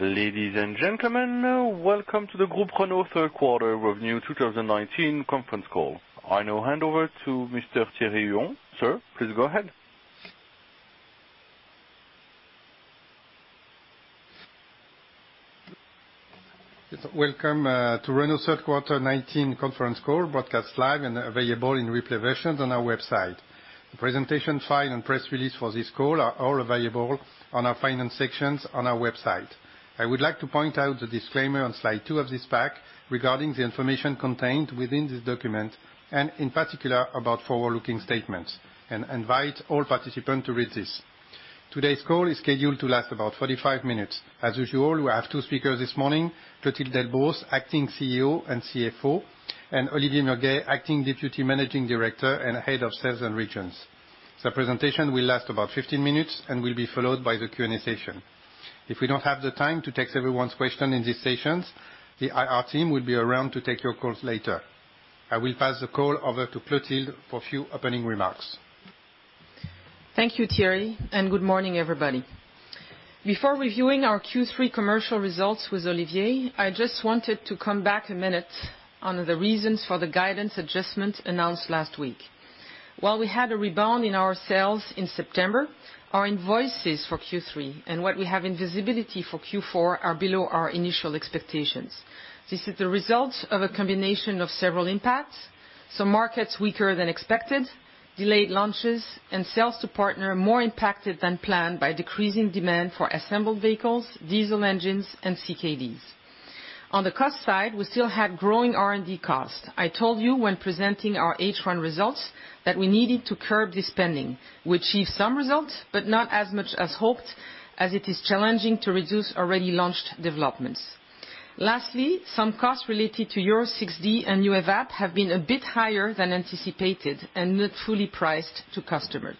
Ladies and gentlemen, welcome to the Renault Group third quarter revenue 2019 conference call. I now hand over to Mr. Thierry Huon. Sir, please go ahead. Welcome to Renault third quarter 2019 conference call, broadcast live and available in replay versions on our website. The presentation file and press release for this call are all available on our finance sections on our website. I would like to point out the disclaimer on slide two of this pack regarding the information contained within this document, and in particular about forward-looking statements, and invite all participants to read this. Today's call is scheduled to last about 45 minutes. As usual, we have two speakers this morning, Clotilde Delbos, Acting Chief Executive Officer and Chief Financial Officer, and Olivier Murguet, Acting Deputy Managing Director and Head of Sales and Regions. The presentation will last about 15 minutes and will be followed by the Q&A session. If we don't have the time to take everyone's question in these sessions, the IR team will be around to take your calls later. I will pass the call over to Clotilde for a few opening remarks. Thank you, Thierry, and good morning, everybody. Before reviewing our Q3 commercial results with Olivier, I just wanted to come back one minute on the reasons for the guidance adjustment announced last week. While we had a rebound in our sales in September, our invoices for Q3 and what we have in visibility for Q4 are below our initial expectations. This is the result of a combination of several impacts. Some markets weaker than expected, delayed launches, and sales to partner more impacted than planned by decreasing demand for assembled vehicles, diesel engines, and CKDs. On the cost side, we still had growing R&D costs. I told you when presenting our H1 results that we needed to curb this spending. We achieved some results, but not as much as hoped, as it is challenging to reduce already launched developments. Some costs related to Euro 6d and EU EVAP have been a bit higher than anticipated and not fully priced to customers.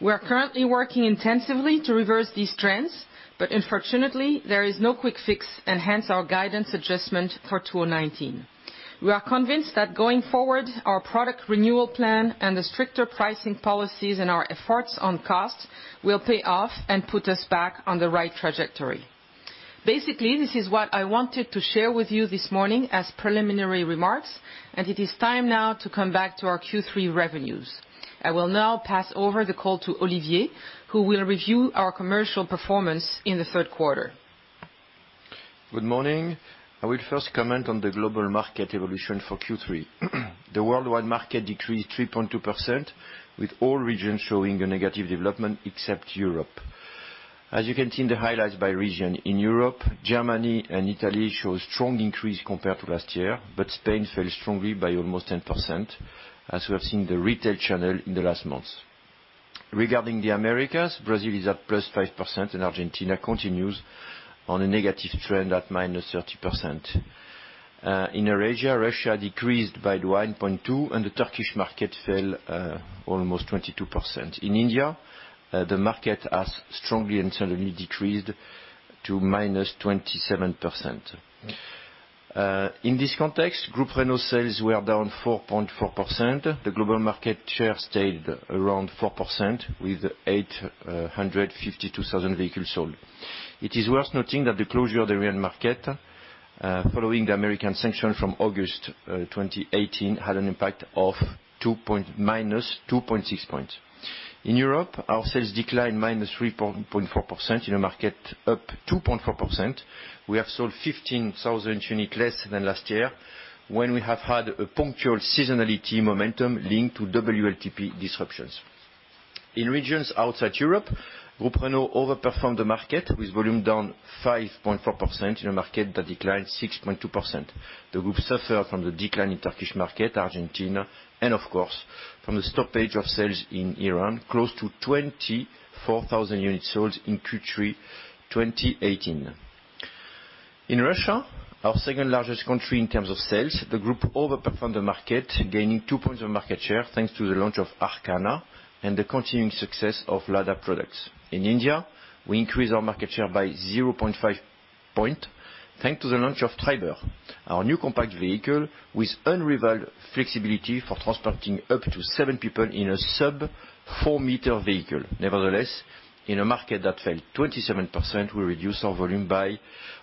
We are currently working intensively to reverse these trends, unfortunately, there is no quick fix and hence our guidance adjustment for 2019. We are convinced that going forward, our product renewal plan and the stricter pricing policies and our efforts on cost will pay off and put us back on the right trajectory. Basically, this is what I wanted to share with you this morning as preliminary remarks, it is time now to come back to our Q3 revenues. I will now pass over the call to Olivier, who will review our commercial performance in the third quarter. Good morning. I will first comment on the global market evolution for Q3. The worldwide market decreased 3.2% with all regions showing a negative development except Europe. As you can see in the highlights by region, in Europe, Germany and Italy show strong increase compared to last year, but Spain fell strongly by almost 10%, as we have seen the retail channel in the last months. Regarding the Americas, Brazil is at +5% and Argentina continues on a negative trend at -30%. In Eurasia, Russia decreased by 1.2% and the Turkish market fell almost 22%. In India, the market has strongly and suddenly decreased to -27%. In this context, Group Renault sales were down 4.4%. The global market share stayed around 4% with 852,000 vehicles sold. It is worth noting that the closure of the Iranian market, following the U.S. sanction from August 2018, had an impact of -2.6 points. In Europe, our sales declined -3.4% in a market up 2.4%. We have sold 15,000 units less than last year when we have had a punctual seasonality momentum linked to WLTP disruptions. In regions outside Europe, Groupe Renault overperformed the market with volume down 5.4% in a market that declined 6.2%. The group suffered from the decline in Turkish market, Argentina, and of course, from the stoppage of sales in Iran, close to 24,000 units sold in Q3 2018. In Russia, our second largest country in terms of sales, the group overperformed the market, gaining two points of market share thanks to the launch of Arkana and the continuing success of Lada products. In India, we increased our market share by 0.5 point, thanks to the launch of Triber, our new compact vehicle with unrivaled flexibility for transporting up to seven people in a sub four-meter vehicle. In a market that fell 27%, we reduced our volume by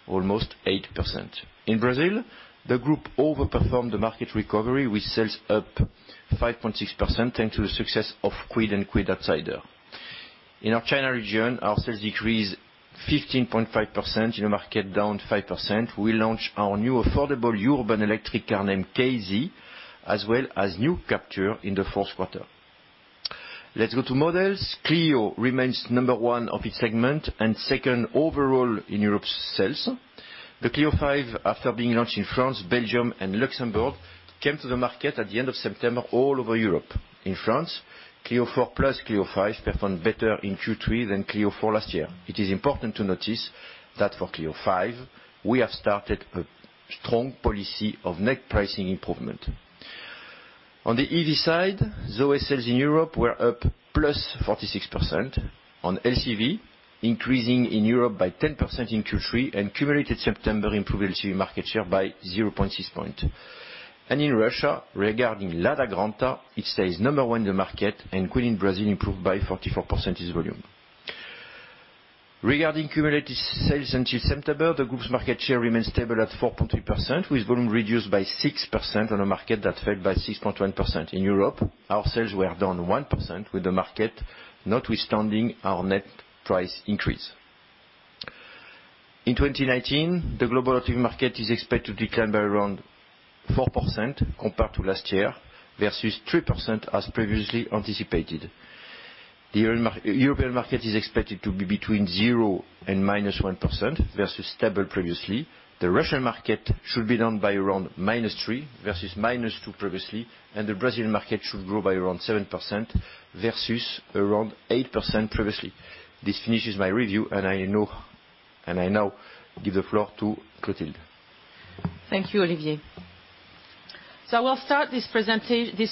almost 8%. In Brazil, the group overperformed the market recovery with sales up 5.6% thanks to the success of Kwid and Kwid Outsider. In our China region, our sales decreased 15.5% in a market down 5%. We launched our new affordable urban electric car named City K-ZE, as well as new Captur in the fourth quarter. Let's go to models. Clio remains number one of its segment and second overall in Europe's sales. The Clio 5, after being launched in France, Belgium, and Luxembourg, came to the market at the end of September all over Europe. In France, Clio 4 Plus, Clio 5 performed better in Q3 than Clio 4 last year. It is important to notice that for Clio 5, we have started a strong policy of net pricing improvement. On the EV side, Zoe sales in Europe were up plus 46%. On LCV, increasing in Europe by 10% in Q3 and cumulative September improved LCV market share by 0.6 point. In Russia, regarding Lada Granta, it stays number one in the market, and Kwid in Brazil improved by 44% this volume. Regarding cumulative sales until September, the group's market share remains stable at 4.3%, with volume reduced by 6% on a market that fell by 6.1%. In Europe, our sales were down 1% with the market, notwithstanding our net price increase. In 2019, the global automotive market is expected to decline by around 4% compared to last year, versus 3% as previously anticipated. The European market is expected to be between 0 and -1% versus stable previously. The Russian market should be down by around -3% versus -2% previously. The Brazilian market should grow by around 7% versus around 8% previously. This finishes my review. I now give the floor to Clotilde. Thank you, Olivier. I will start this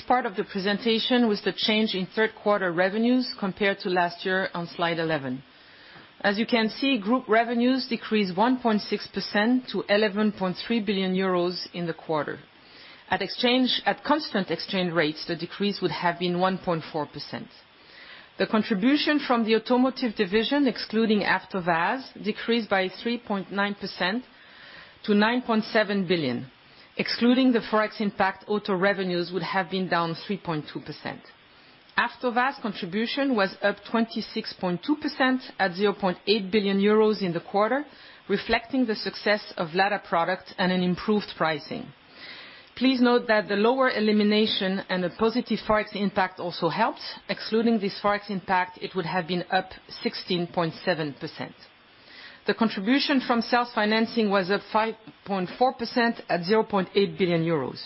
part of the presentation with the change in third quarter revenues compared to last year on slide 11. As you can see, group revenues decreased 1.6% to 11.3 billion euros in the quarter. At constant exchange rates, the decrease would have been 1.4%. The contribution from the automotive division, excluding AvtoVAZ, decreased by 3.9% to 9.7 billion. Excluding the ForEx impact, auto revenues would have been down 3.2%. AvtoVAZ contribution was up 26.2% at 0.8 billion euros in the quarter, reflecting the success of Lada products and an improved pricing. Please note that the lower elimination and a positive ForEx impact also helped. Excluding this ForEx impact, it would have been up 16.7%. The contribution from sales financing was up 5.4% at 0.8 billion euros.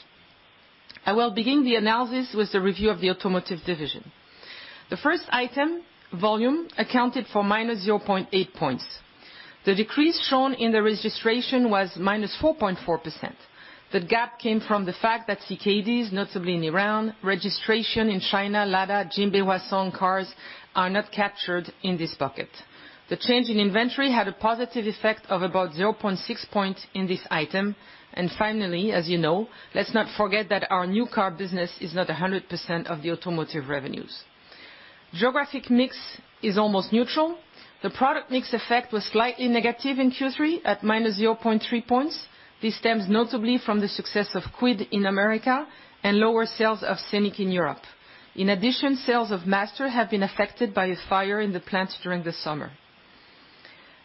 I will begin the analysis with the review of the automotive division. The first item, volume, accounted for -0.8 points. The decrease shown in the registration was -4.4%. The gap came from the fact that CKDs, notably in Iran, registration in China, Lada, Jinbei, Huasong cars, are not captured in this bucket. The change in inventory had a positive effect of about 0.6 points in this item. Finally, as you know, let's not forget that our new car business is not 100% of the automotive revenues. Geographic mix is almost neutral. The product mix effect was slightly negative in Q3 at -0.3 points. This stems notably from the success of Kwid in America and lower sales of Scénic in Europe. In addition, sales of Master have been affected by a fire in the plant during the summer.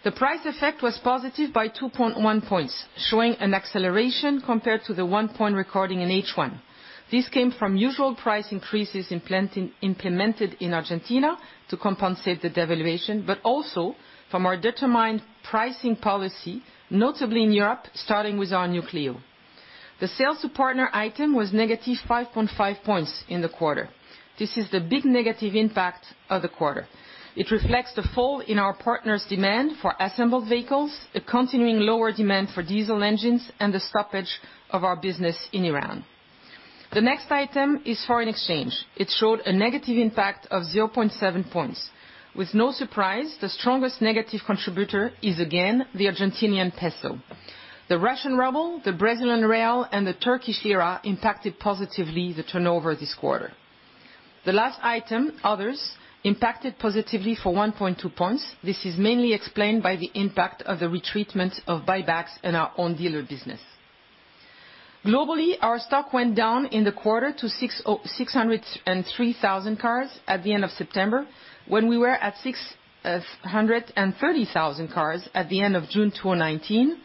The price effect was positive by 2.1 points, showing an acceleration compared to the 1 point recording in H1. This came from usual price increases implemented in Argentina to compensate the devaluation, but also from our determined pricing policy, notably in Europe, starting with our new Clio. The sales to partner item was negative 5.5 points in the quarter. This is the big negative impact of the quarter. It reflects the fall in our partner's demand for assembled vehicles, a continuing lower demand for diesel engines, and the stoppage of our business in Iran. The next item is foreign exchange. It showed a negative impact of 0.7 points. With no surprise, the strongest negative contributor is, again, the Argentinian peso. The Russian ruble, the Brazilian real, and the Turkish lira impacted positively the turnover this quarter. The last item, others, impacted positively for 1.2 points. This is mainly explained by the impact of the retreatment of buybacks in our own dealer business. Globally, our stock went down in the quarter to 603,000 cars at the end of September, when we were at 630,000 cars at the end of June 2019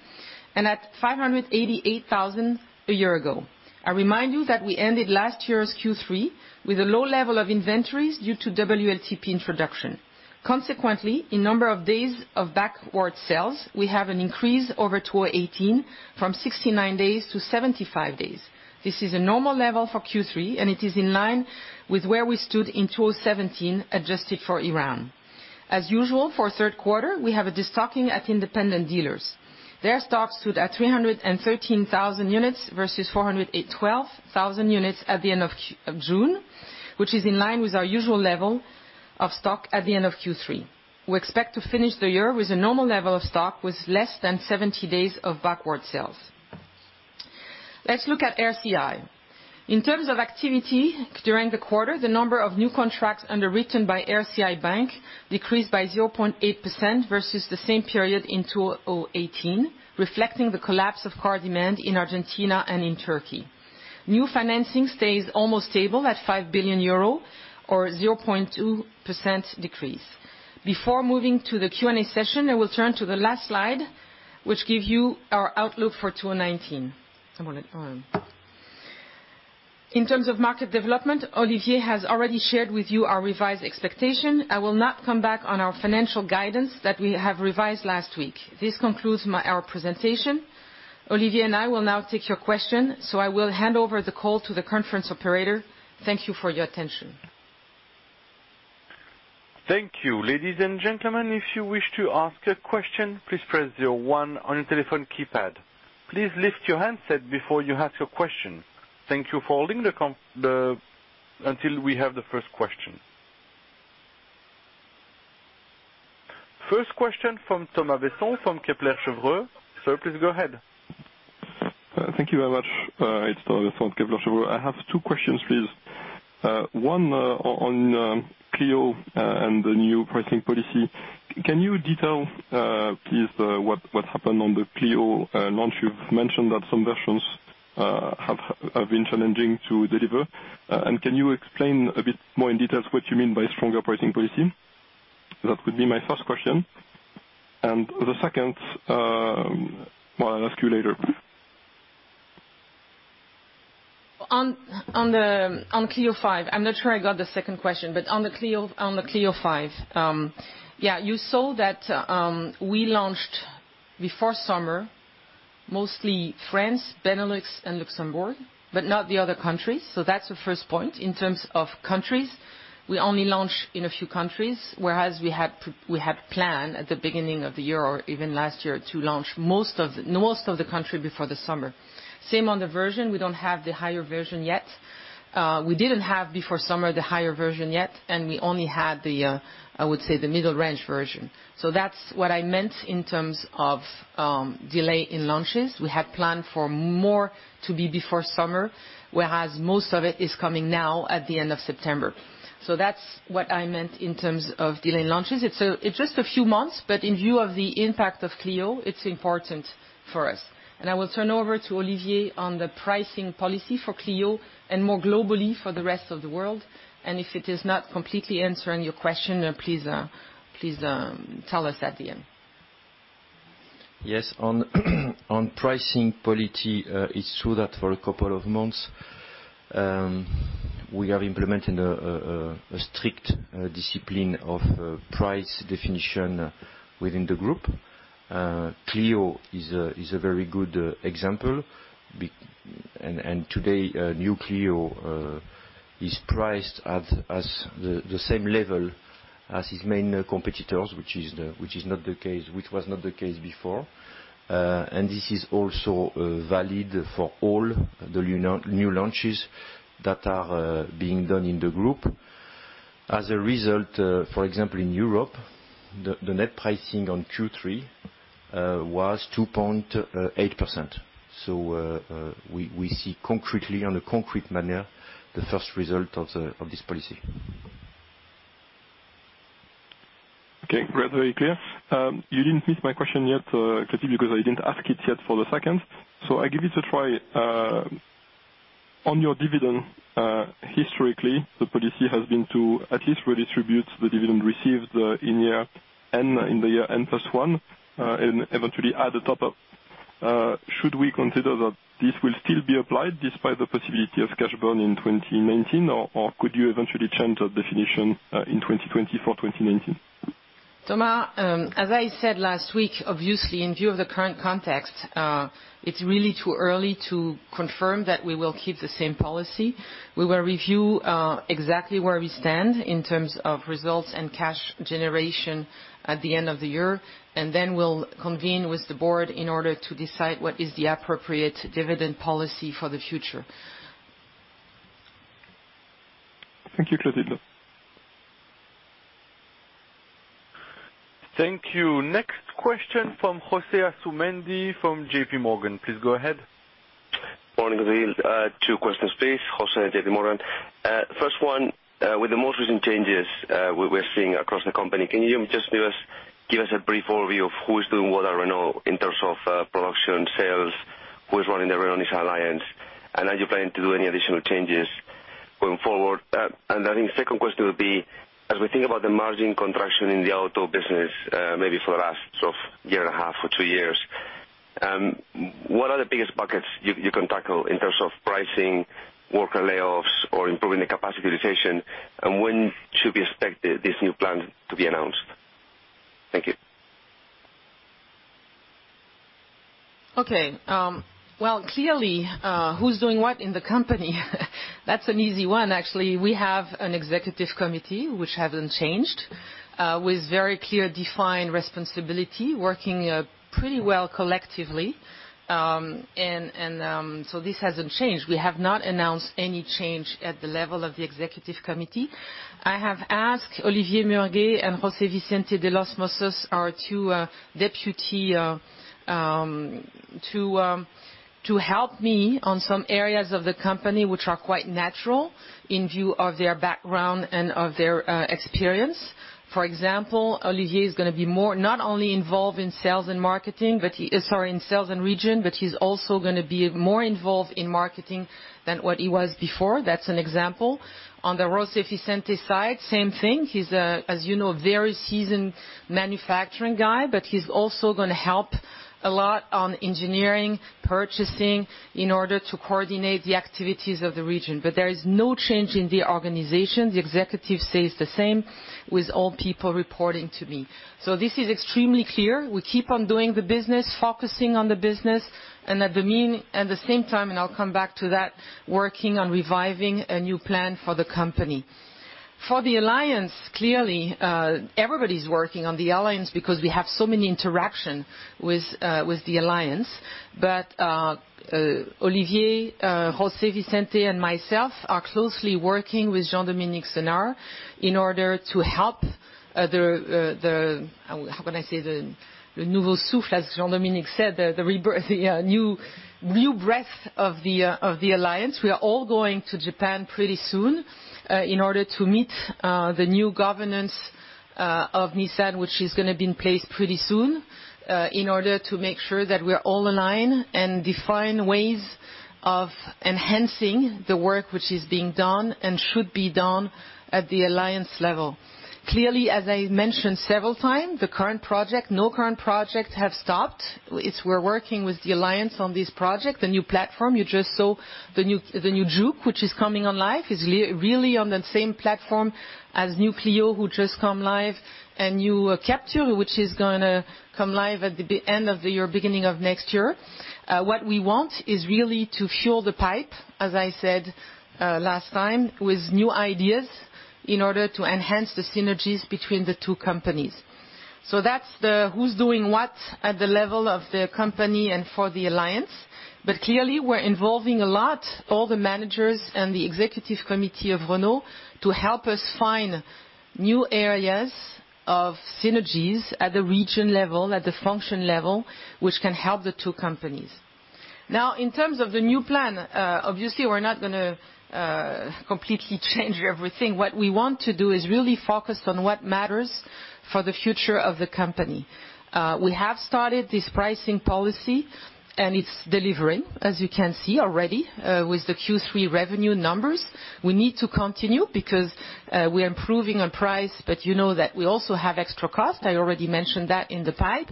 and at 588,000 a year ago. I remind you that we ended last year's Q3 with a low level of inventories due to WLTP introduction. Consequently, in number of days of backward sales, we have an increase over 2018 from 69 days to 75 days. This is a normal level for Q3, and it is in line with where we stood in 2017, adjusted for Iran. As usual for a third quarter, we have a de-stocking at independent dealers. Their stocks stood at 313,000 units versus 412,000 units at the end of June, which is in line with our usual level of stock at the end of Q3. We expect to finish the year with a normal level of stock with less than 70 days of backward sales. Let's look at RCI. In terms of activity during the quarter, the number of new contracts underwritten by RCI Bank decreased by 0.8% versus the same period in 2018, reflecting the collapse of car demand in Argentina and in Turkey. New financing stays almost stable at 5 billion euro or 0.2% decrease. Before moving to the Q&A session, I will turn to the last slide, which give you our outlook for 2019. In terms of market development, Olivier has already shared with you our revised expectation. I will not come back on our financial guidance that we have revised last week. This concludes our presentation. Olivier and I will now take your question. I will hand over the call to the conference operator. Thank you for your attention. Thank you. Ladies and gentlemen, if you wish to ask a question, please press zero one on your telephone keypad. Please lift your handset before you ask your question. Thank you for holding until we have the first question. First question from Thomas Besson from Kepler Cheuvreux. Sir, please go ahead. Thank you very much. It's Thomas from Kepler Cheuvreux. I have two questions, please. One, on Clio and the new pricing policy. Can you detail, please, what happened on the Clio launch? You've mentioned that some versions have been challenging to deliver. Can you explain a bit more in details what you mean by stronger pricing policy? That would be my first question. The second, well, I'll ask you later. On Clio 5, I'm not sure I got the second question, but on the Clio 5. You saw that we launched before summer, mostly France, Benelux and Luxembourg, but not the other countries. That's the first point, in terms of countries. We only launched in a few countries, whereas we had planned at the beginning of the year, or even last year, to launch most of the country before the summer. Same on the version. We don't have the higher version yet. We didn't have, before summer, the higher version yet, and we only had the middle range version. That's what I meant in terms of delay in launches. We had planned for more to be before summer, whereas most of it is coming now at the end of September. That's what I meant in terms of delayed launches. It's just a few months, but in view of the impact of Clio, it's important for us. I will turn over to Olivier on the pricing policy for Clio and more globally for the rest of the world. If it is not completely answering your question, please tell us at the end. Yes. On pricing policy, it's true that for a couple of months, we are implementing a strict discipline of price definition within the group. Clio is a very good example. Today, new Clio is priced at the same level as its main competitors, which was not the case before. This is also valid for all the new launches that are being done in the group. As a result, for example, in Europe, the net pricing on Q3 was 2.8%. We see concretely on a concrete manner, the first result of this policy. Okay. Great. Very clear. You didn't miss my question yet, because I didn't ask it yet for the second. I give it a try. On your dividend, historically, the policy has been to at least redistribute the dividend received in the year N plus one, and eventually add a top-up. Should we consider that this will still be applied despite the possibility of cash burn in 2019, or could you eventually change that definition in 2020 for 2019? Thomas, as I said last week, obviously in view of the current context, it's really too early to confirm that we will keep the same policy. We will review exactly where we stand in terms of results and cash generation at the end of the year. We'll convene with the board in order to decide what is the appropriate dividend policy for the future. Thank you, Clotilde. Thank you. Next question from Jose Asumendi from JPMorgan. Please go ahead. Morning, Clotilde. Two questions, please. Jose, JPMorgan. First one, with the most recent changes we are seeing across the company, can you just give us a brief overview of who is doing what at Renault in terms of production, sales, who is running the Renault-Nissan Alliance, and are you planning to do any additional changes going forward? I think second question would be, as we think about the margin contraction in the auto business, maybe for the last sort of year and a half or two years, what are the biggest buckets you can tackle in terms of pricing, worker layoffs, or improving the capacity utilization, and when should we expect this new plan to be announced? Thank you. Okay. Well, clearly, who's doing what in the company? That's an easy one, actually. We have an Executive Committee, which hasn't changed, with very clear defined responsibility, working pretty well collectively. This hasn't changed. We have not announced any change at the level of the Executive Committee. I have asked Olivier Murguet and José Vicente de los Mozos, our two deputy, to help me on some areas of the company which are quite natural in view of their background and of their experience. For example, Olivier is going to be not only involved in sales and region, but he's also going to be more involved in marketing than what he was before. That's an example. On the José Vicente side, same thing. He's, as you know, a very seasoned manufacturing guy, but he's also going to help a lot on engineering, purchasing, in order to coordinate the activities of the region. There is no change in the organization. The executive stays the same, with all people reporting to me. This is extremely clear. We keep on doing the business, focusing on the business, and at the same time, and I'll come back to that, working on reviving a new plan for the company. For the Alliance, clearly, everybody is working on the Alliance because we have so many interaction with the Alliance. Olivier, José Vicente, and myself are closely working with Jean-Dominique Senard in order to help the, how can I say, the "nouveau souffle" as Jean-Dominique said, the rebirth, new breath of the Alliance. We are all going to Japan pretty soon in order to meet the new governance of Nissan, which is going to be in place pretty soon, in order to make sure that we are all aligned and define ways of enhancing the work which is being done and should be done at the alliance level. As I mentioned several times, no current project have stopped. We're working with the alliance on this project, the new platform. You just saw the new Juke, which is coming on live, is really on the same platform as new Clio, who just come live. New Captur, which is going to come live at the end of the year, beginning of next year. What we want is really to fuel the pipe, as I said last time, with new ideas in order to enhance the synergies between the two companies. That's the who's doing what at the level of the company and for the Alliance. Clearly, we're involving a lot, all the managers and the executive committee of Renault to help us find new areas of synergies at the region level, at the function level, which can help the two companies. In terms of the new plan, obviously, we're not going to completely change everything. What we want to do is really focus on what matters for the future of the company. We have started this pricing policy, and it's delivering, as you can see already, with the Q3 revenue numbers. We need to continue because we are improving on price, but you know that we also have extra cost. I already mentioned that in the pipe.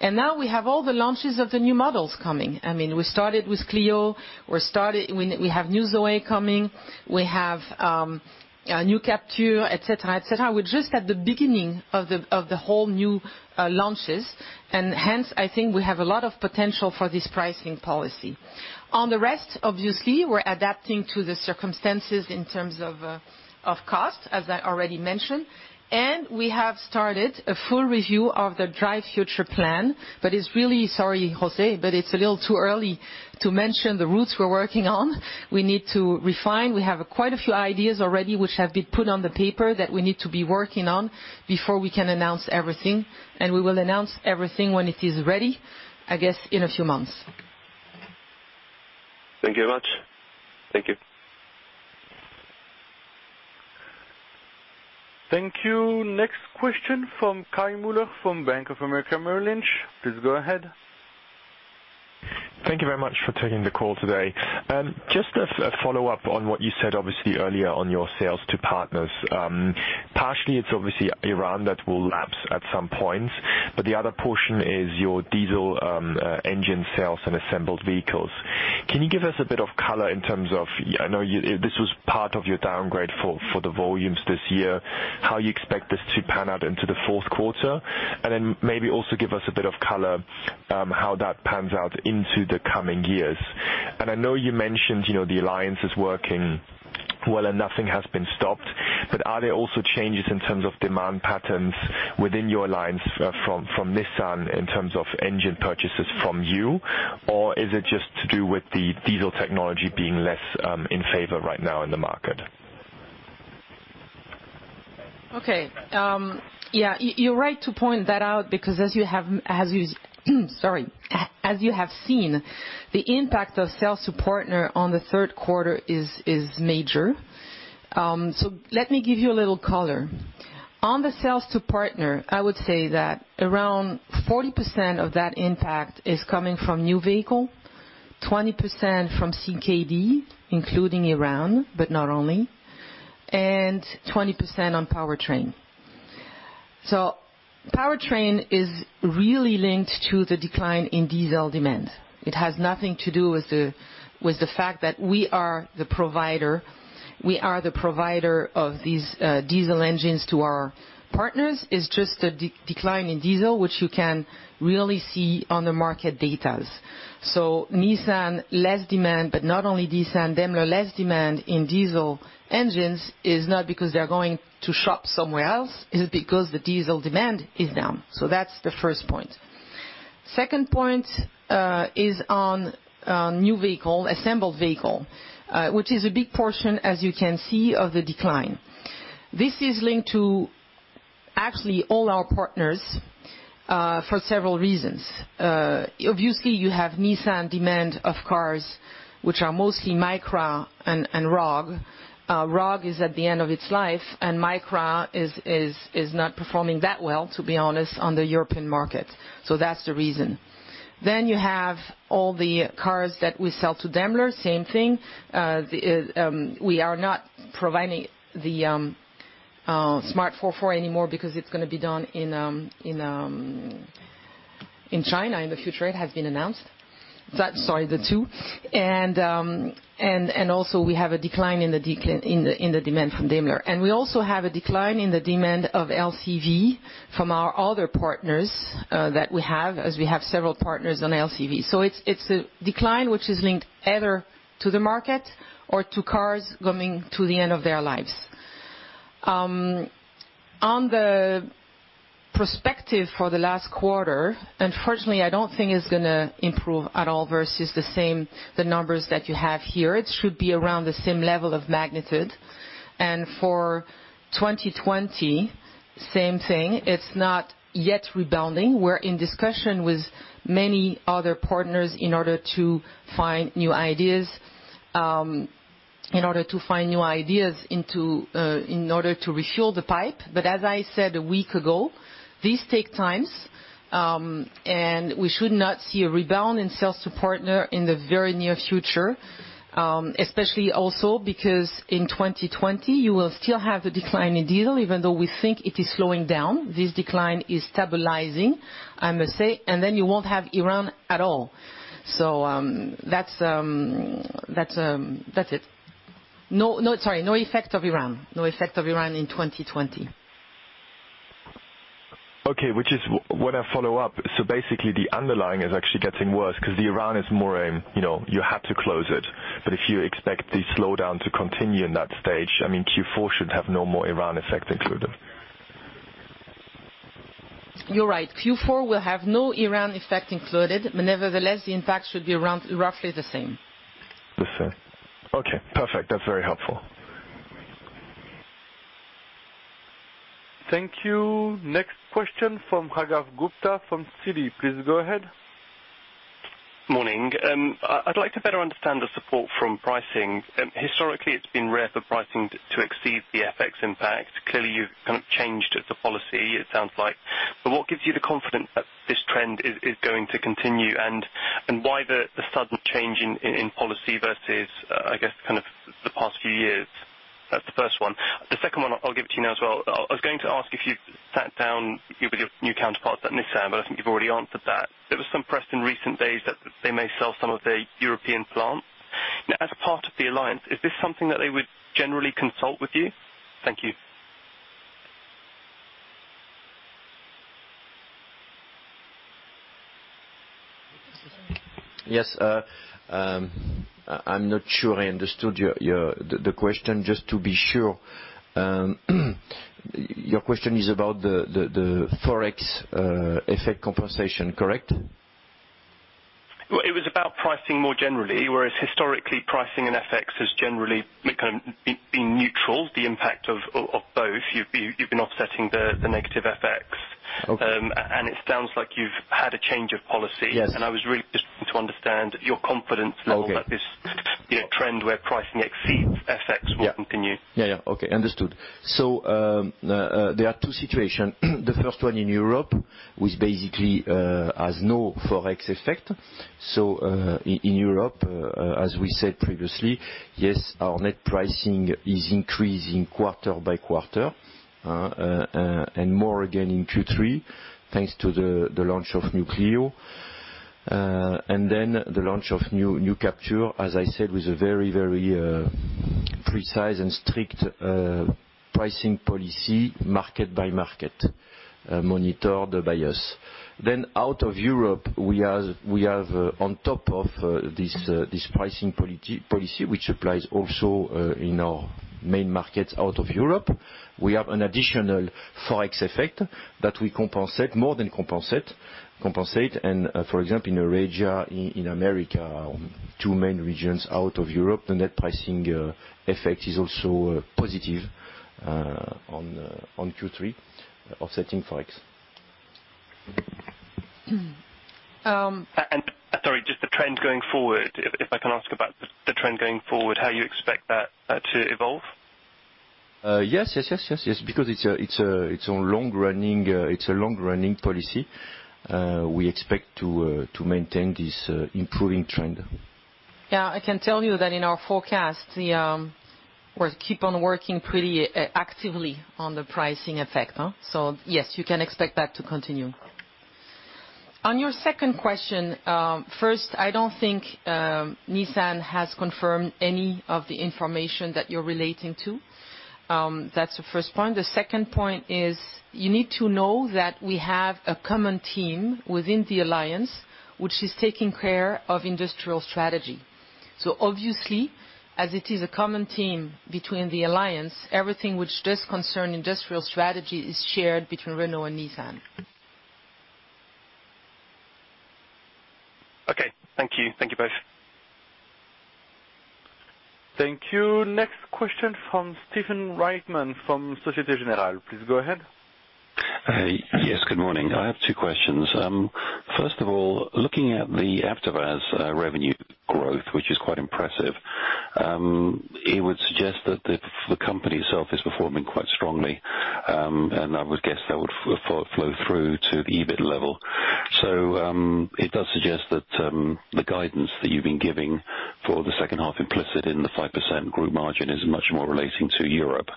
Now we have all the launches of the new models coming. We started with Clio. We have new Zoe coming. We have new Captur, et cetera. We're just at the beginning of the whole new launches. Hence, I think we have a lot of potential for this pricing policy. On the rest, obviously, we're adapting to the circumstances in terms of cost, as I already mentioned. We have started a full review of the Drive the Future plan, but it's really, sorry, José, but it's a little too early to mention the routes we're working on. We need to refine. We have quite a few ideas already, which have been put on the paper that we need to be working on before we can announce everything, and we will announce everything when it is ready, I guess, in a few months. Thank you very much. Thank you. Thank you. Next question from Kai Mueller from Bank of America Merrill Lynch. Please go ahead. Thank you very much for taking the call today. Just a follow-up on what you said, obviously, earlier on your sales to partners. Partially, it is obviously Iran that will lapse at some point, but the other portion is your diesel engine sales and assembled vehicles. Can you give us a bit of color in terms of, I know this was part of your downgrade for the volumes this year, how you expect this to pan out into the fourth quarter? Maybe also give us a bit of color how that pans out into the coming years. I know you mentioned the alliance is working well and nothing has been stopped, but are there also changes in terms of demand patterns within your alliance from Nissan in terms of engine purchases from you? Is it just to do with the diesel technology being less in favor right now in the market? You're right to point that out because as you have seen, the impact of sales to partner on the third quarter is major. Let me give you a little color. On the sales to partner, I would say that around 40% of that impact is coming from new vehicle, 20% from CKD, including Iran, but not only, and 20% on powertrain. Powertrain is really linked to the decline in diesel demand. It has nothing to do with the fact that we are the provider. We are the provider of these diesel engines to our partners. It's just a decline in diesel, which you can really see on the market datas. Nissan, less demand, but not only Nissan, Daimler, less demand in diesel engines is not because they're going to shop somewhere else, it is because the diesel demand is down. That's the first point. Second point is on new vehicle, assembled vehicle, which is a big portion, as you can see, of the decline. This is linked to actually all our partners for several reasons. Obviously, you have Nissan demand of cars, which are mostly Micra and Rogue. Rogue is at the end of its life, and Micra is not performing that well, to be honest, on the European market. That's the reason. You have all the cars that we sell to Daimler, same thing. We are not providing the Smart Forfour anymore because it's going to be done in China in the future. It has been announced. Sorry, the two. We have a decline in the demand from Daimler. We also have a decline in the demand of LCV from our other partners that we have, as we have several partners on LCV. It's a decline which is linked either to the market or to cars coming to the end of their lives. On the perspective for the last quarter, unfortunately, I don't think it's going to improve at all versus the numbers that you have here. It should be around the same level of magnitude. For 2020, same thing. It's not yet rebounding. We're in discussion with many other partners in order to find new ideas in order to refuel the pipe. As I said a week ago, these take time, and we should not see a rebound in sales to partner in the very near future. Especially also because in 2020, you will still have the decline in diesel, even though we think it is slowing down. This decline is stabilizing, I must say, and then you won't have Iran at all. That's it. No effect of Iran in 2020. Okay. Which is what I follow up. Basically, the underlying is actually getting worse because ForEx is more you have to close it. If you expect the slowdown to continue in that stage, Q4 should have no more ForEx effect included. You're right. Q4 will have no Iran effect included, but nevertheless, the impact should be roughly the same. The same. Okay, perfect. That's very helpful. Thank you. Next question from Raghav Gupta-Chaudhary from Citi. Please go ahead. Morning. I'd like to better understand the support from pricing. Historically, it's been rare for pricing to exceed the FX impact. Clearly, you've kind of changed the policy, it sounds like. What gives you the confidence that this trend is going to continue, and why the sudden change in policy versus, I guess, the past few years? That's the first one. The second one, I'll give it to you now as well. I was going to ask if you sat down with your new counterparts at Nissan, I think you've already answered that. There was some press in recent days that they may sell some of the European plants. As part of the alliance, is this something that they would generally consult with you? Thank you. Yes. I'm not sure I understood the question. Just to be sure, your question is about the ForEx effect compensation, correct? Well, it was about pricing more generally, whereas historically, pricing and FX has generally kind of been neutral, the impact of both. You've been offsetting the negative FX. Okay. It sounds like you've had a change of policy. Yes. I was really just keen to understand your confidence level. Okay. That this trend where pricing exceeds FX will continue. Yeah. Okay, understood. There are two situations. The first one in Europe, which basically has no ForEx effect. In Europe, as we said previously, yes, our net pricing is increasing quarter by quarter, and more again in Q3, thanks to the launch of new Clio. The launch of new Captur, as I said, with a very precise and strict pricing policy, market by market, monitored by us. Out of Europe, we have on top of this pricing policy, which applies also in our main markets out of Europe, we have an additional ForEx effect that we compensate more than compensate. For example, in Asia, in America, two main regions out of Europe, the net pricing effect is also positive on Q3, offsetting ForEx. Sorry, just the trend going forward, if I can ask about the trend going forward, how you expect that to evolve? Yes. Because it's a long-running policy. We expect to maintain this improving trend. Yeah, I can tell you that in our forecast, we keep on working pretty actively on the pricing effect, huh. Yes, you can expect that to continue. On your second question, first, I don't think Nissan has confirmed any of the information that you're relating to. That's the first point. The second point is you need to know that we have a common team within the alliance, which is taking care of industrial strategy. Obviously, as it is a common team between the alliance, everything which does concern industrial strategy is shared between Renault and Nissan. Okay, thank you. Thank you both. Thank you. Next question from Stephen Reitman from Société Générale. Please go ahead. Yes, good morning. I have two questions. First of all, looking at the After Sales revenue growth, which is quite impressive, it would suggest that the company itself is performing quite strongly. I would guess that would flow through to the EBIT level. It does suggest that the guidance that you've been giving for the second half implicit in the 5% group margin is much more relating to Europe.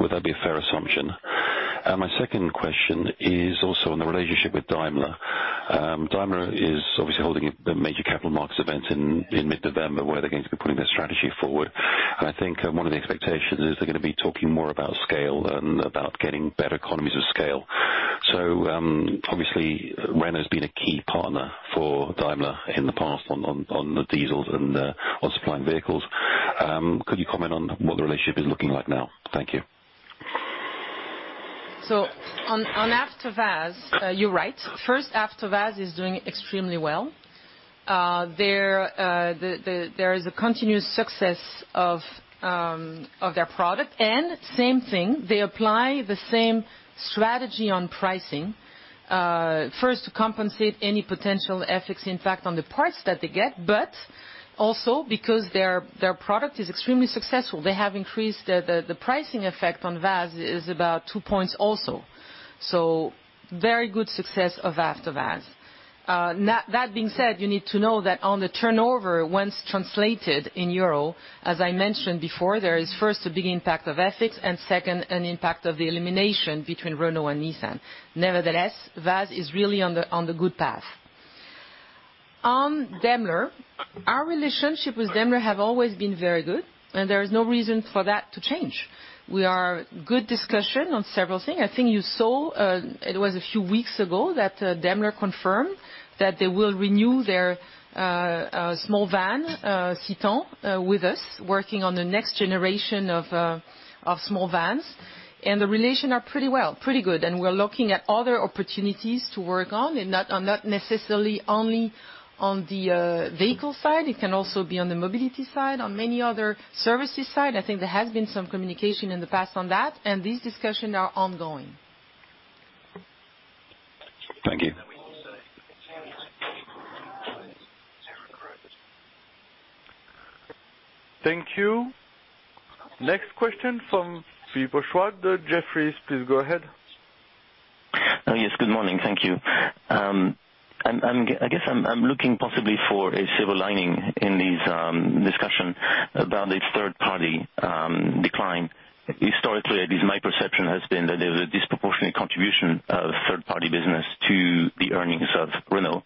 Would that be a fair assumption? My second question is also on the relationship with Daimler. Daimler is obviously holding a major capital markets event in mid-November, where they're going to be putting their strategy forward. I think one of the expectations is they're going to be talking more about scale and about getting better economies of scale. Obviously, Renault has been a key partner for Daimler in the past on the diesels and on supplying vehicles. Could you comment on what the relationship is looking like now? Thank you. On AvtoVAZ, you're right. First, AvtoVAZ is doing extremely well. There is a continuous success of their product. Same thing, they apply the same strategy on pricing. First, to compensate any potential FX impact on the parts that they get, but also because their product is extremely successful. They have increased the pricing effect on VAZ is about two points also. Very good success of AvtoVAZ. That being said, you need to know that on the turnover, once translated in EUR, as I mentioned before, there is first a big impact of FX and second, an impact of the elimination between Renault and Nissan. Nevertheless, VAZ is really on the good path. On Daimler, our relationship with Daimler have always been very good, and there is no reason for that to change. We are good discussion on several things. I think you saw, it was a few weeks ago, that Daimler confirmed that they will renew their small van, Citan, with us, working on the next generation of small vans. The relation are pretty good, and we're looking at other opportunities to work on and not necessarily only on the vehicle side, it can also be on the mobility side, on many other services side. I think there has been some communication in the past on that. These discussions are ongoing. Thank you. Thank you. Next question from Philippe Houchois, Jefferies. Please go ahead. Yes, good morning. Thank you. I guess I'm looking possibly for a silver lining in this discussion about this third party decline. Historically, at least my perception, has been that there's a disproportionate contribution of third-party business to the earnings of Renault.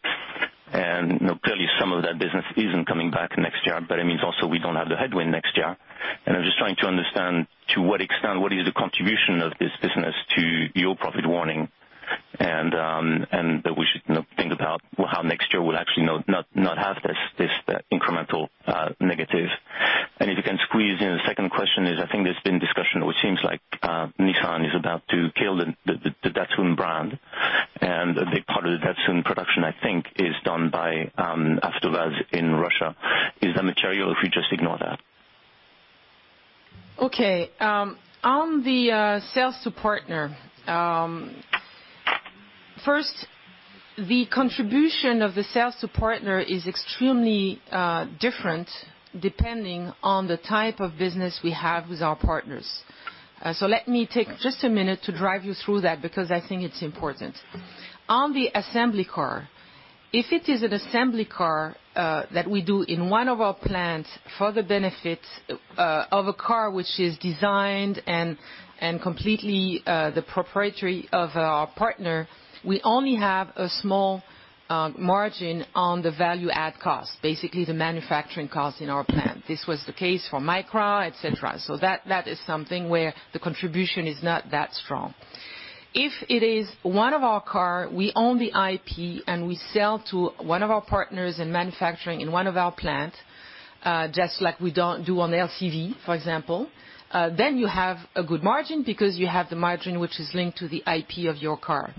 Clearly, some of that business isn't coming back next year, but it means also we don't have the headwind next year. I'm just trying to understand to what extent, what is the contribution of this business to your profit warning, and that we should think about how next year will actually not have this incremental negative. If you can squeeze in a second question is, I think there's been discussion, or it seems like Nissan is about to kill the Datsun brand. A big part of the Datsun production, I think, is done by AvtoVAZ in Russia. Is that material or we just ignore that? Okay. On the sales to partner. First, the contribution of the sales to partner is extremely different depending on the type of business we have with our partners. Let me take just a minute to drive you through that, because I think it's important. On the assembly car, if it is an assembly car that we do in one of our plants for the benefit of a car which is designed and completely the proprietary of our partner, we only have a small margin on the value-add cost. Basically, the manufacturing cost in our plant. This was the case for Micra, et cetera. That is something where the contribution is not that strong. If it is one of our car, we own the IP, and we sell to one of our partners in manufacturing in one of our plant, just like we do on LCV, for example, then you have a good margin because you have the margin which is linked to the IP of your car.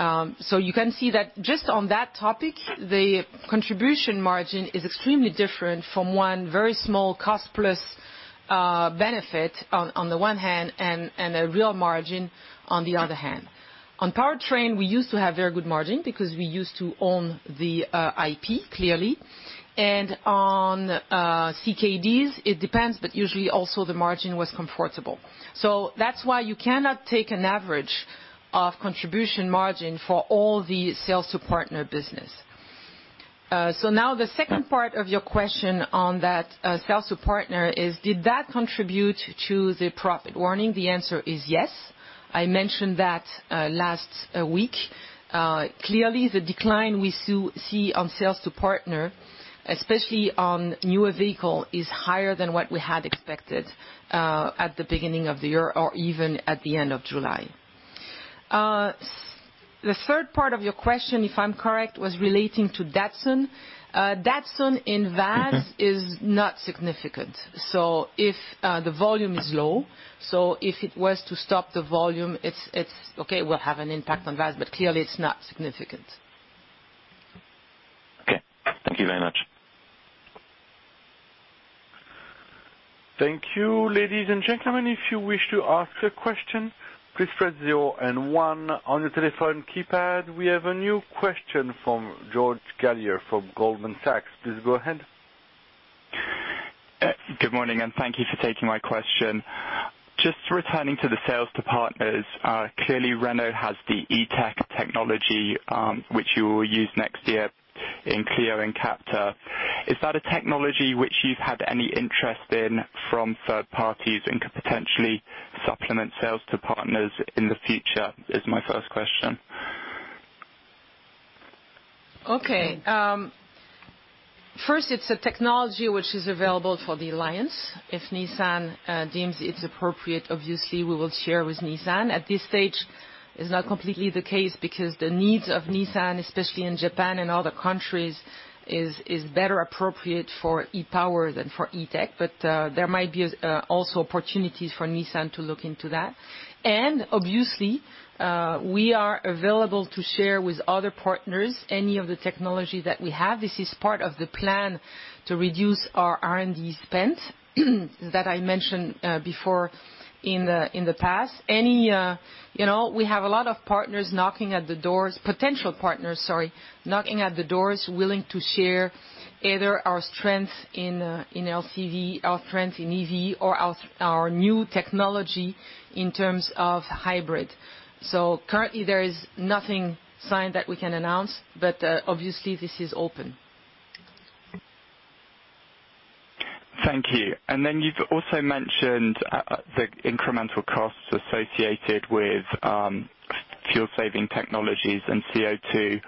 You can see that just on that topic, the contribution margin is extremely different from one very small cost-plus benefit on the one hand, and a real margin on the other hand. On powertrain, we used to have very good margin because we used to own the IP, clearly. On CKDs, it depends, but usually also the margin was comfortable. That's why you cannot take an average of contribution margin for all the sales to partner business. Now the second part of your question on that sales to partner is, did that contribute to the profit warning? The answer is yes. I mentioned that last week. Clearly, the decline we see on sales to partner, especially on newer vehicle, is higher than what we had expected, at the beginning of the year or even at the end of July. The third part of your question, if I'm correct, was relating to Datsun. Datsun in VAZ is not significant. The volume is low. If it was to stop the volume, it's okay, we'll have an impact on VAZ, but clearly, it's not significant. Okay. Thank you very much. Thank you. Ladies and gentlemen, if you wish to ask a question, please press zero and one on your telephone keypad. We have a new question from George Galliers from Goldman Sachs. Please go ahead. Good morning, and thank you for taking my question. Just returning to the sales to partners. Clearly, Renault has the E-Tech technology, which you will use next year in Clio and Captur. Is that a technology which you've had any interest in from third parties and could potentially supplement sales to partners in the future? Is my first question. Okay. First, it's a technology which is available for the Alliance. If Nissan deems it's appropriate, obviously, we will share with Nissan. At this stage, it's not completely the case, because the needs of Nissan, especially in Japan and other countries, is better appropriate for e-POWER than for E-Tech. There might be also opportunities for Nissan to look into that. Obviously, we are available to share with other partners any of the technology that we have. This is part of the plan to reduce our R&D spend that I mentioned before in the past. We have a lot of potential partners knocking at the doors, willing to share either our strength in LCV, our strength in EV, or our new technology in terms of hybrid. Currently, there is nothing signed that we can announce, but obviously, this is open. Thank you. You've also mentioned the incremental costs associated with fuel-saving technologies and CO2.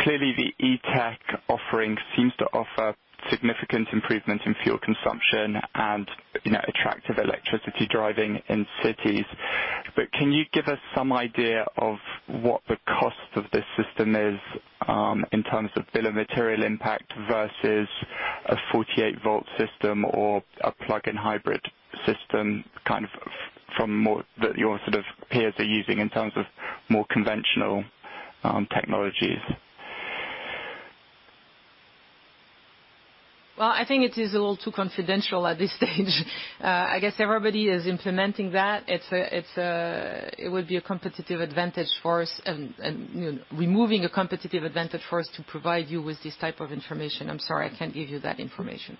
Clearly, the E-Tech offering seems to offer significant improvements in fuel consumption and attractive electricity driving in cities. Can you give us some idea of what the cost of this system is, in terms of bill of material impact versus a 48-volt system or a plug-in hybrid system that your peers are using in terms of more conventional technologies? Well, I think it is a little too confidential at this stage. I guess everybody is implementing that. It would be a competitive advantage for us and removing a competitive advantage for us to provide you with this type of information. I'm sorry, I can't give you that information.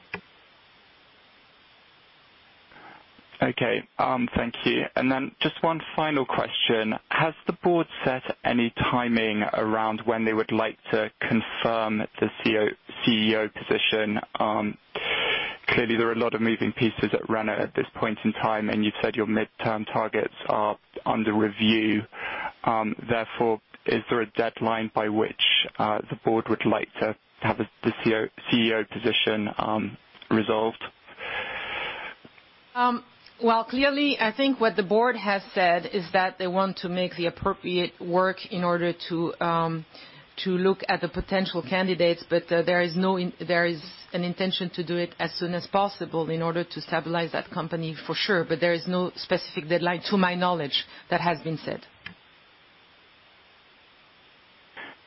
Okay. Thank you. Just one final question. Has the board set any timing around when they would like to confirm the CEO position? Clearly, there are a lot of moving pieces at Renault at this point in time, and you've said your midterm targets are under review. Is there a deadline by which the board would like to have the CEO position resolved? Well, clearly, I think what the board has said is that they want to make the appropriate work in order to look at the potential candidates, there is an intention to do it as soon as possible in order to stabilize that company, for sure. There is no specific deadline, to my knowledge, that has been set.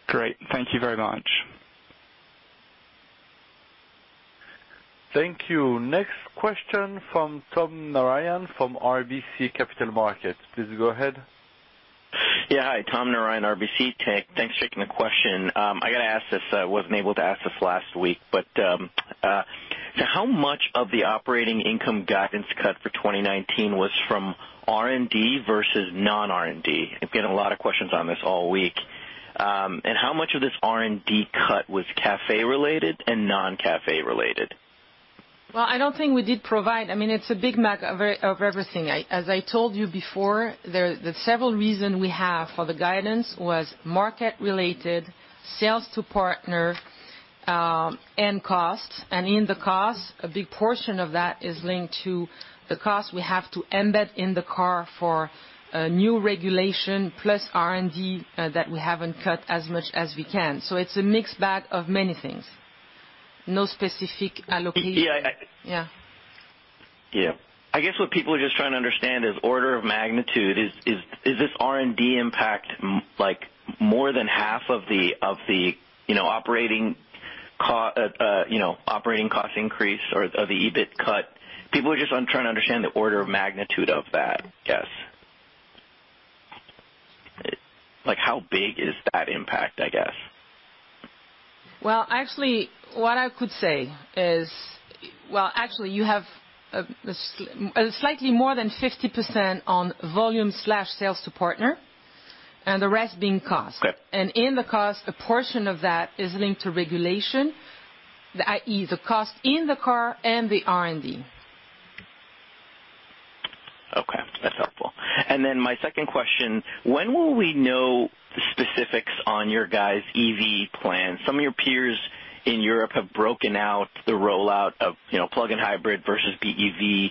Great. Thank you very much. Thank you. Next question from Tom Narayan from RBC Capital Markets. Please go ahead. Yeah. Hi, Tom Narayan, RBC. Thanks for taking the question. I got to ask this. I wasn't able to ask this last week. How much of the operating income guidance cut for 2019 was from R&D versus non-R&D? I've gotten a lot of questions on this all week. How much of this R&D cut was CAFE-related and non-CAFE-related? Well, it's a big mix of everything. As I told you before, the several reasons we have for the guidance was market-related, sales to partner, and cost. In the cost, a big portion of that is linked to the cost we have to embed in the car for a new regulation, plus R&D that we haven't cut as much as we can. It's a mixed bag of many things. No specific allocation. Yeah. Yeah. Yeah. I guess what people are just trying to understand is order of magnitude. Is this R&D impact more than half of the operating cost increase or the EBIT cut? People are just trying to understand the order of magnitude of that, I guess. Like, how big is that impact, I guess? Well, actually, what I could say is you have slightly more than 50% on volume/sales to partner, and the rest being cost. Okay. In the cost, a portion of that is linked to regulation, i.e., the cost in the car and the R&D. Okay. That's helpful. My second question, when will we know the specifics on your guys' EV plan? Some of your peers in Europe have broken out the rollout of plug-in hybrid versus BEV,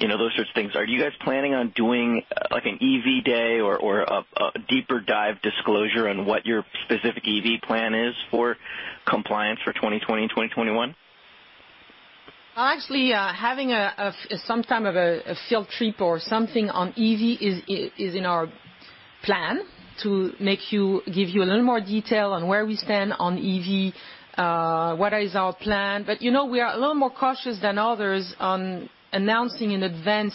those sorts of things. Are you guys planning on doing an EV day or a deeper dive disclosure on what your specific EV plan is for compliance for 2020 and 2021? Actually, having some type of a field trip or something on EV is in our plan to give you a little more detail on where we stand on EV, what is our plan. We are a little more cautious than others on announcing in advance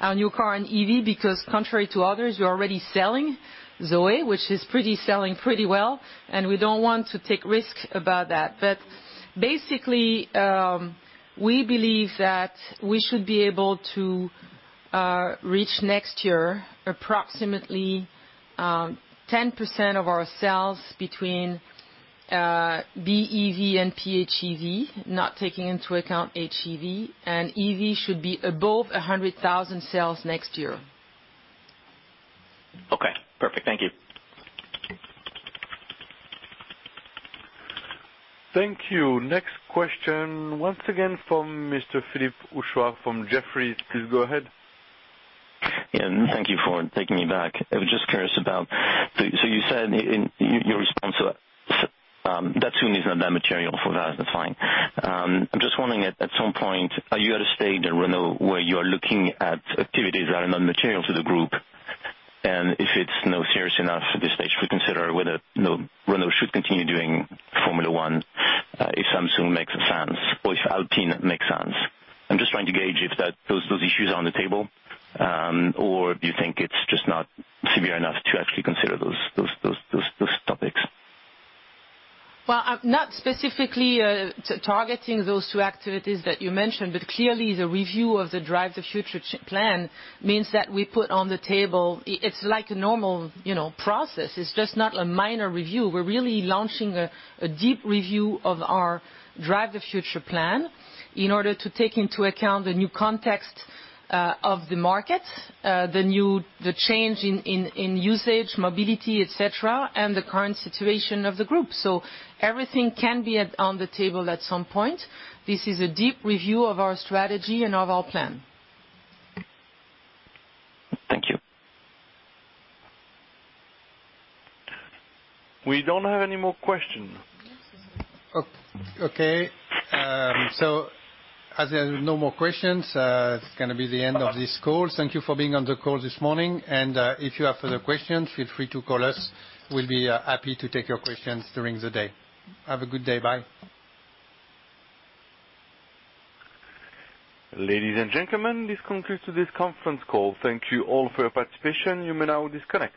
our new car and EV, because contrary to others, we are already selling Zoe, which is selling pretty well, and we don't want to take risks about that. Basically, we believe that we should be able to reach next year, approximately 10% of our sales between BEV and PHEV, not taking into account HEV. EV should be above 100,000 sales next year. Okay, perfect. Thank you. Thank you. Next question, once again from Mr. Philippe Houchois from Jefferies. Please go ahead. Yeah. Thank you for taking me back. I was just curious, you said in your response that Samsung is not that material for us, that's fine. I'm just wondering, at some point, are you at a stage at Renault where you are looking at activities that are non-material to the group? If it's not serious enough at this stage to consider whether Renault should continue doing Formula 1, if Samsung makes sense or if Alpine makes sense. I'm just trying to gauge if those issues are on the table, or do you think it's just not severe enough to actually consider those topics? I'm not specifically targeting those two activities that you mentioned, but clearly the review of the Drive the Future plan means that we put on the table. It's like a normal process. It's just not a minor review. We're really launching a deep review of our Drive the Future plan in order to take into account the new context of the market, the change in usage, mobility, et cetera, and the current situation of the group. Everything can be on the table at some point. This is a deep review of our strategy and of our plan. Thank you. We don't have any more questions. Okay, as there are no more questions, it's going to be the end of this call. Thank you for being on the call this morning, if you have further questions, feel free to call us. We'll be happy to take your questions during the day. Have a good day. Bye. Ladies and gentlemen, this concludes this conference call. Thank you all for your participation. You may now disconnect.